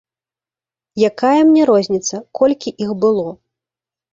Якая мне розніца, колькі іх было.